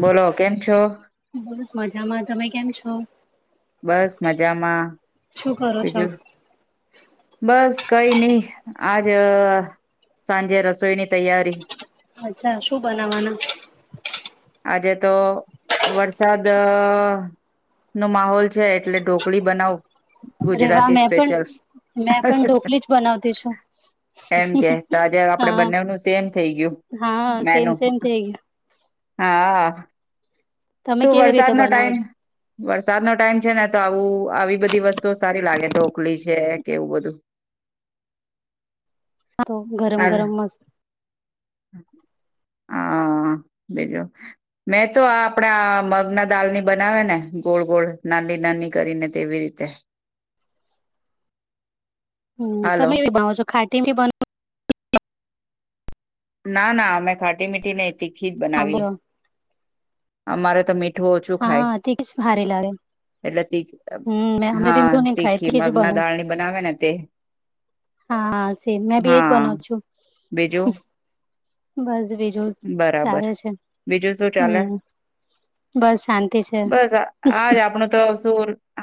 બોલો કેમ છો? બસ મજામાં તમે કેમ છો? બસ મજામાં શું કરો છો બીજું બસ કઈ નઈ આજ સાંજે રસોઈની તૈયારી અચ્છા શું બનાવાનું આજે તો વરસાદ નો માહોલ છે એટલે ઢોકળી બનાવું અરે વાહ ગુજરાતી મેં પણ સ્પેશિયલ મેં પણ ઢોકલી જ બનાવતી છું એમ કે તો આજે આપડે હા બનેનું સેમ થઇ ગયું હા સેમ મેનું સેમ થઈ ગયા હા તમે શું કેવી રીતે વરસાદ નો બનાવો ટાઈમ વરસાદ નો ટાઈમ છે ને તો આવું આવી બધી વસ્તુઓ સારી લાગે ઢોકલી છે કે એવું બધું ખાઓ તો ગરમ હાલ ગરમ મસ્ત હા બીજો મેં તો આપડા મગના દાળ ની બનાવે ને ગોળ ગોળ નાની નાની કરી ને તેવી રીતે હમ્મ હાલો તમે કેવી બનાવો છો ખાટી બી બનાવો ના ના અમે ખાટી મીઠીને તીખી જ હા બનાવીએ બોલો અમારે તો મીઠ હા તે જ ભારે લાગે એટલે હમ મેં તીખી અમે બી હા મીઠું નહી ખાય તીખી જ મગના બનવું દાળની બનાવે ને તે હા એમ મેં બી એજ હા બનાવુ છું બીજું બસ જો સ બરાબર સારો છે બીજું શું ચાલે હમ્મ. બસ આજ આપણું તો શુ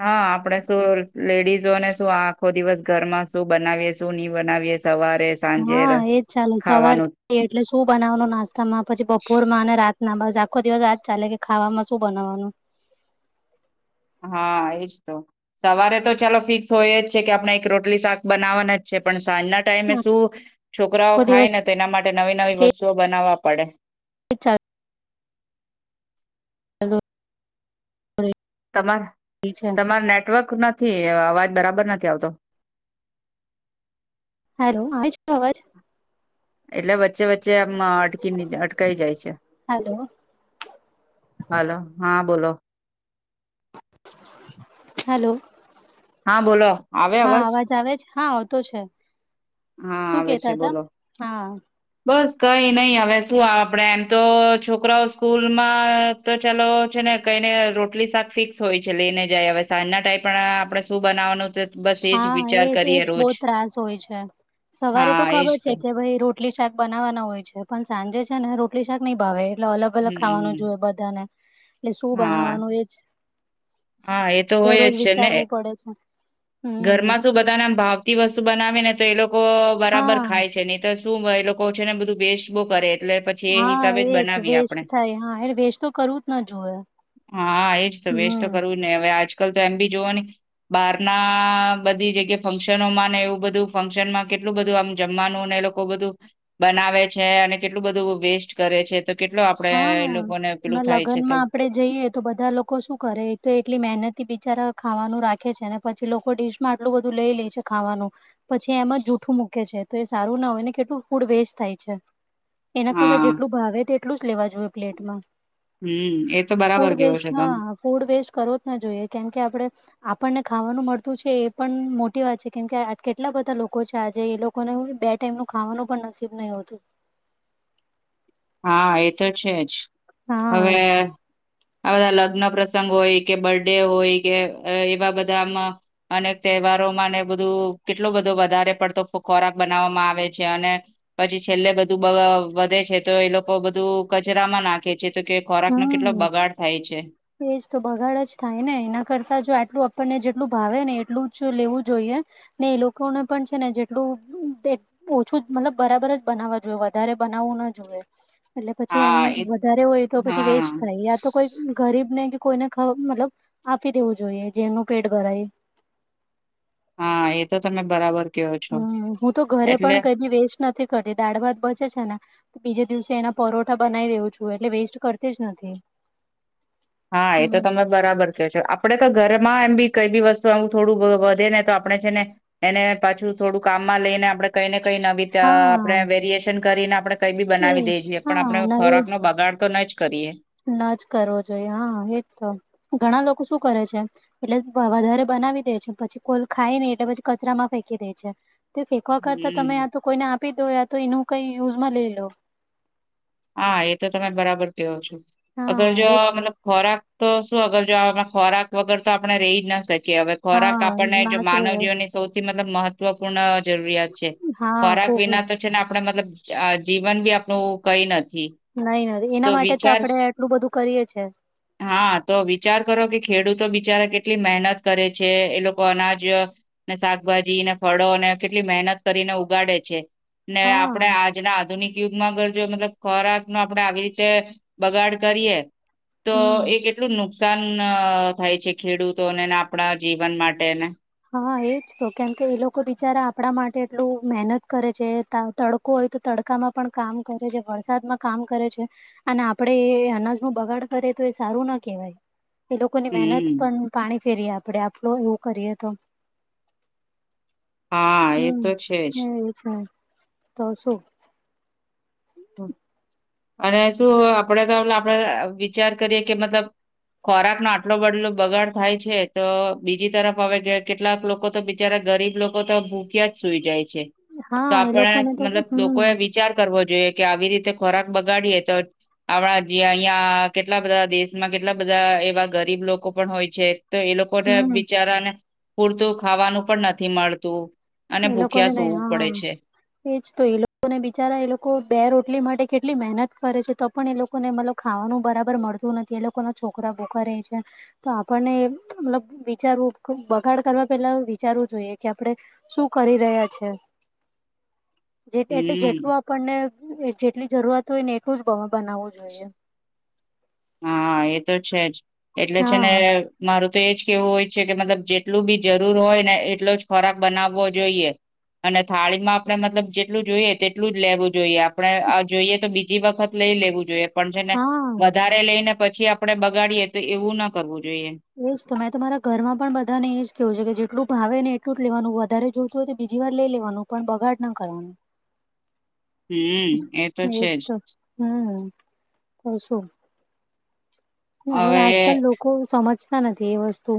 હા આપણે શું લેડીઝોને શું આખો દિવસ ઘરમાં શું બનાવીએ છે સૂની બનાવીયએ સવારે સાંજે હા એજ ચાલે ખાવાનું સવારથી એટલે શું બનાવવાનું નાસ્તામાં પછી બપોરમાં અને રા ના બસ આખો દિવસ આજ ચાલે કે ખાવામાં શું બનાવવાનું હા એજ તો સવારે તો ચાલો ફિક્સ હોય જ છે કે આપણે એક રોટલી શાક બનાવવાના જ છે પણ સાંજના ટાઈમે શું છોકરાઓ આખો દિવસ ખાય ને તો એના માટે નવી નવી વસ્તુઓ બનાવવા પડે. અચ્છા હલ્લો. તમાર છે. તમાર નેટવર્ક નથી અવાજ બરાબર નથી આવતો. હલ્લો આવે છે આવાજ એટલે વચ્ચે વચ્ચે આમ અટકી અટકાય જાય છે. હેલો હલ્લો હા બોલો હલ્લો. હા બોલો આવે હા અવાજ આવે જ હા આવતો છે. હા શું આવે છે કેતા હતા બોલો હા. બસ કઈ નહી હવે શું આપડે એમ તો છોકરાઓ સ્કૂલમાં. તો ચાલો છે ને કઈને રોટલી શાક ફિક્સ હોય છે લઈને જાય હવે સાજના ટાઈપ પણ આપણે શું બનાવાનું છે હા એજ એજ બહું ત્રાસ હોય છે સવારે તો હા ખબર એજ છે તો કે ભાઈ રો રોટલી શાક બનાવવાના હોય છે પણ સાંજે છે ને રોટલી શાક નહીં ભાવે એટલે અલગ અલગ ખાવાનું હમ જોએ બધાને એટલે શું હા બનાવવાનું એજ હા એ તો હોય દરરોજ જ છે ને. વિચારવું પડે છે ઘર હમ. માં શું બધાનેમ ભાવતી વસ્તુ બનાવે ને તો એ લોકો બરાબર હા ખાય છે ને. શું એ લોકો છે ને બધું વેસ્ટ બો કરે. એટલે પછી એ હા હિસાબે જ એજ બનાવીએ વેસ્ટ આપણે થાય હા એ વેસ્ટ તો કરવું જ ન જોવે. હા એજ તો વેસ્ટ તો કરવું નહી હવે આજકાલ તો એમ બી જોવાની બહાર ના બધી જગ્યા ફંક્શનોમાં ને એવું બધું ફંક્શન માં કેટલું બધું આમ જમવાનું એ લોક. લોકો બધું બનાવે છે અને કેટલું બધું વેસ્ટ કરે છે. તો કેટલો આપડે એ હા. લોકોને પેલું હમણાં થાય છે તો. લગ્નમાં આપડે જઈએ તો બધા લોકો શું કરે તો એટલી મહેનત બિચારા ખાવાનું રાખે છે ને પછી લોકો ડિશ માં આટલું બધું લઈ લે છે ખાવાનું. પછી એ એમાં જૂઠું મૂકે છે તો એ સારું ના હોય ને કેટલું ફૂડ વેસ્ટ થાય છે. એના કરતા હા જેટલું ભાવે તેટલું જ લેવા જોઈએ પ્લેટમાં. હમ એ તો ફૂડ બરાબર કેયો વેસ્ટ છે તમ. હા ફૂડ વેસ્ટ કરો જ ના જોઈએ કેમ કે આપડણે આપણને ખાવાનું મળતું છે એ પણ મોટી વાત છે કેમકે કેટલા બધા લોકો છે આજે એ લોક લોકોને બે ટાઈમ નું ખાવાનું પણ નસીબ નહ હોતું. હા એ તો છે જ હા. હવે. આ બધા લગ્ન પ્રસંગ હોય કે બર્ડે હોય કે એવા બધામાં. અને તહેવારોમાંને બધું કેટલો બધો વધારે પડતો ખો ખોરાક બનાવવામાં આવે છે અને. પછી છેલ્લે બધું બ વધે છે. તો એ લોકો બધું કચરામાં નાખે છે તો કે ખોરાક નો કેટલો હમ બગાડ થાય છે. એજ તો બગાડ જ થાય ને એના કરતા જો આટલું આપણને જેટલું ભાવે ને એટલું જ લેવું જોઈએ. ને એ લોકોને પણ છે ને જેટલું. ઓછું જ મતલબ બરાબર જ બનાવવા જોઈએ વધારે બનાવવું ના જોએ. એટલે પછી એમ હા એ વધારે હોય તો પછી હા વેસ્ટ થાય. યા તો કોઈ ગરીબ ને કે કોઈને ખવ મતલબ આપી દેવું જોઈએ જેનું પેટ ભરાય. હા એ તો તમે બરાબર. કહો છો હમ હું તો ઘરે એટલે પણ કદી વેસ્ટ નથી કરતી દાળ ભાત બચે છે ને. બીજે દિવસે એના પરોઠા બનાવી દેઉ છું એટલે વેસ્ટ કરતી જ નથી. હા એ તો હમ તમાર. બરાબર કે છો આપડે કે ઘરમાં એમ બી કઈ બી વસ્તુ આવું થોડું વધે ને તો આપડણે છે ને. એને પાછું થોડું કામમાં લઈને આપડણે કઈ ને કઈ નવીત હા આપણે વેરિએશન કરીને આપણે કઈ બી બનાવી દે એજ જે પણ હા આપણે ખોરાક નો બગાડ તો ન જ કરીએ. ના જ કરવો જોઈએ હા એજ તો ઘણા લોકો શું કરે છે. એટલે વધારે બનાવી દે છે પછી કોલ ખાય નને એટલે પછી કચરામાં ફેંકી દે છે. તે ફેંકવા કરતા હમ તમે આ તો કોઈને આપી દો આ તો એનું કઈ યુઝ માં લઈ લો. હા એ તો તમે બરાબર તેવો છો અગર હા જો એજ મતલબ. ખોરાક તો શું અગર જો આપણા ખોરાક વગર તો આપણે રહી જ ના શકીએ હવે. ખોરાક હા આપણને જો નાચ માનવ જીવનની સૌથી મતલબ મહત્વ. મહવપૂર્ણ જરૂરિયાત છે હા ખોરાક ખુબ વિના જ તો છે ને આપડે મતલબ આ જીવન બી આપણું કઈ નથી નઈ ન એના માટે તો આપડે એટલું બધું કરીએ છે. હા તો વિચાર કરો કે ખેડૂતો બિચારા કેટલી મહેનત કરે છે એ લોકો અનાજ ને શાકભાજી ને ફળો ને કેટલી મહેનત કરીને ઉગાડે છે. ને હા આપડે આજના આધુનિક યુગમાં ઘર જો મતલબ ખોરાક નો આપડે આવી રીતે બગાડ કરીએ તો હમ એટ કેટલું નુકસાન થાય છે ખેડૂતોને ને આપણા જીવન માટેને. હા એજ તો કેમ કે એ લોકો બિચારા આપણા માટે એટલું મહેનત કરે છે. તડકો હોય તો તડકામાં પણ કામ કરે છે વરસાદમાં કામ કરે છે. અને આપડે એ અનાજ નું બગાડ કરે તો એ સારું ના કેહેવાય. એ લોકોની મહેનત હમ પણ પાણી ફેરીએ આપડે આપડે એવું કરીએ તો. હા એ હમ તો છે જ એ છે તો શું. અને શું આપડે તો આપડે વિચાર કરીએે કે મતલબ. ખોરાક નો આટલો બદલો બગાડ થાય છે તો બીજી તરફ હવે કેટલાક લોકો તો બિચારા ગરીબ લોકો તો ભૂખ્યા જ સુઈ જાય છે. તો હા એ આપણે લોકોને તો મતલબ હમ લોકોએ વિચાર કરવો જોઈએ કે આવી રીતે ખોરાક બગાડીએ તો આપણા જ્યા અહિયા કેટલા બધા દેશમાં કેટલા બધા એવા ગરીબ લોકો પણ હોય છે તો એ લોકોને હમ બિચારાને પૂરતું ખાવાનું પણ નથી મળતું. અને એ લોકોને ભૂખ્યા નહી સુવું હા પડે છે. એજ તો એ લોકોને બિચારા એ લોકો બે રોટલી માટે કેટલી મહેનત કરે છે તો પણ એ લોકો લોકોને મતલબ ખાવાનું બરાબર મળતું નથી એ લોકો ના છોકરા ભૂખા રહે છે તો આપણને મતલબ વિચારવું બગાડ કરવા પેલા વિચારવું જોઈએ કે આપણેે શું કરી રહ્યા છે. જે એટલે હમ જેટલું પણને જેટલી જરૂરત હોય ને એટલું જ બ બનાવવું જોઈએ. હા એ તો છે જ એટલે છે હા ને- મારું તો એજ કેવું હોય છે કે મતલબ જેટલું બી જરૂર હોય ને એટલો જ ખોરાક બનાવવો જોઈએ. અને થાળીમાં આપણે મતલબ જેટલું જોઈએ તેટલું જ લેવું જોઈએ આપણે જોઈએ તો બીજી વખત લઈ લેવું જોઈએ પણ છે ને હા વધારે લઈને પછી આપડે બગાડીએ તો એવું ના કરવું જોઈએ. એજ તો મેં તો તમારા ઘરમાં પણ બધાને એજ કેવું છે કે જેટલું ભાવે ને એટલું લેનું વધારે જોતું હો બીજી વાર લઈ લેવાનું પણ બગાડ ના કરવાનું. [inaudible] હમ્મ એ એજ છે જ તો હમ્મ તો શું. હવે આજકાલ લોકો સમજતા નથી એ વસ્તુ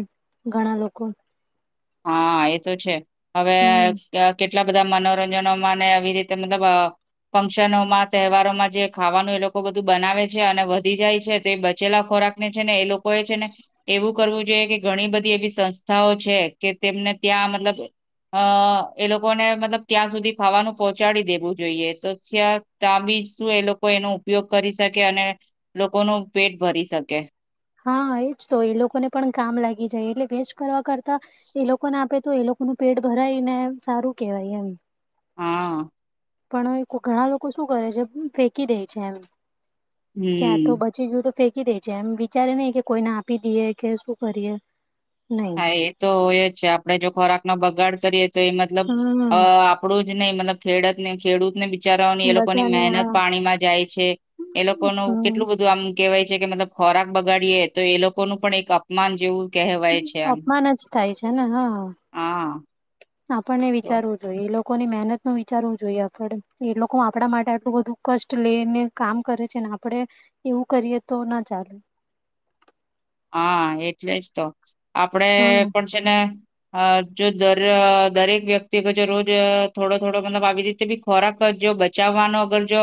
ઘણા લોકો. હા એ તો છે હવે હમ કેટલા બધા મનોરંજનોમાંને આવી રીતે મતલબ ફંક્શનોમાં તહેવારોમાં જે ખાવાનું એ લોકો બધું બનાવે છે અને વધી જાય છે તો એ બચેલા ખોરાક છે ને એ લોકો એ છે ને એવું કરવું જોઈએ કે ઘણી બધી એવી સંસ્થાઓ છે કે તેમને ત્યાં મતલબ અ એ લોકોને મતલબ ત્યાં સુધી ખાવાનું પહોંચાડી દેવું જોઈએ તો તો આ બીજ શું એ લોકો એનો ઉપયોગ કરી શકે અને લોકો ન પેટ ભરી શકે. હા એજ તો એ લોકોને પણ કામ લાગી જાય એટલે વેસ્ટ કરવા કરતા એ લોકોને આપે તો એ લોકોનું પેટ ભરાય ને સારું કેહેવાય એમ. હા. પણ ઘણા લોકો શું કરે છે ફેકી દે છે એમ કે્યા તો હમ બધા. ચીયું તો ફેંકી દે છે એમ વિચારે નહી કે કોઈને આપી દઈએ કે શું કરીએ. નહી હા એ તો હોય જ છે આપડણે જો ખોરાકનો બગાડ કરીએ તો એ મતલબ હમ આપડું જ નઈ મતલબ ખેડત ને ખેડૂતને બી બીચારાઓની એ લોકોની બધાને આ મહેનત પાણીમાં જાય છે એ લોકોનું હમ કેટલું બધું આમ કહેવાય છે કે મતલબ ખોરાક બગાડીએ તો એ લોકો ન પણ એક અપમાન જેવું કહેવાય. છે આમ અપમાન જ થાય છે ને હા હા આપણને તો વિચારવું જો એ લોકોની મહેનત નું વિચારવું જોઈએ આપડ એ લોકો આપણા માટે આટલું બધું કષ્ટ લેને કામ કરે છે ને આપડે એવું કરીએ તો ના ચાલે. હા એટલે જ તો આપડે હા પણ છે ને અ જો દર દરેક વ્યક્તિ કે જે રોજ થોડો થોડો મતલબ આવી રીતે બી ખોરાક જો બચાવવાનો અગર જો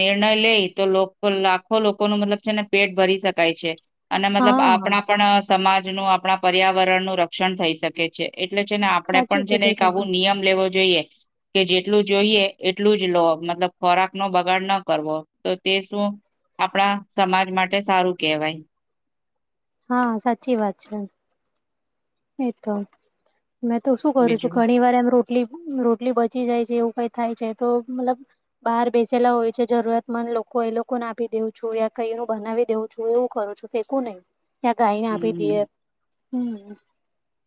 નિર્ણય લઈ તો લોકો લાખો લોકો ન મતલબ છેને પેટ ભરી શકાય છે અને મતલબ હા આપણા પણ સમાજનું આપણા પર્યાવરણનું રક્ષણ થઈ શકે એટલે છે ને આપડે સાચું પણ છે ને કીધું એક આવો તમે નિયમ લેવો જોઈએ. કે જેટલું જોઈએ એટલું જ લો મતલબ ખોરાક નો બગાડ ન કરવો તો તે શું આપણા સમાજ માટે સારું કેહેવાય. હા સાચી વાત છે. એ તો મેં તો શું કરું છું બીજું ઘણી વાર એમ રો રટલી રોટલી બચી જાય છે એવું કઈ થાય છે તો મતલબ બહાર બેસેલા હોય છે જરૂરતમંદ લોકો એ લોકોને આપી દેઉ છું યા કઈનું બનાવી દેઉું છું. એવું કરું છું ફેંકું નહી ત્યાં ગાઈને આપી દેએ. હમ્મ હમ...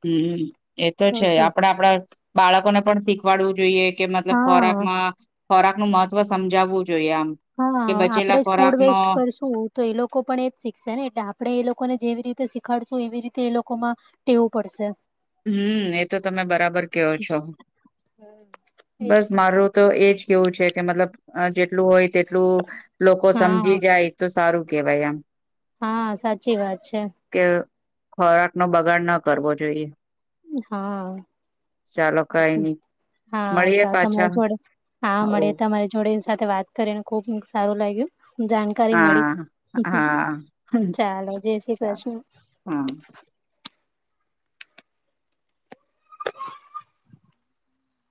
હમ, એ તો છે આપડા આપડા બાળકો ને પણ શીખવાડવું જોઈએ કે મતલબ હા ખોરાકમાં ખોરાક નું મહત્વ સમજાવવું જોઈએ આમ હા કે આપડે બચેલા જ ફૂડ ખોરાક નો વેસ્ટ કરશું તો એ લોકો પણ એ જ શીખશે ને એટલે આપણે એ લોકોને જેવી રીતે શીખાડશું એવી રીતે એ લોકોમાં વું પડશે. હમ એ તો તમે બરાબર કેયોો છો હમ બસ મારો તો એજ કેવું છે કે મતલબ જેટલું હોય તેટલું લોકો હા સમજી જાય તો સારું કેહેવાય આમ. હા, સાંચી વાત છે. કે ખોરાક નો બગાડ ન કરવો જોઈએ. હા. ચાલો કઈ નઈ હા મળીએ ચાલ પાછા તમારી જોડે હા ઓ મળે તમારે જોડેની સાથે વાત કરીને ખુબ સારું લાગ્યું. કરી મળી હા હા ચાલો જય શ્રી ચાલ કૃષ્ણ. હા.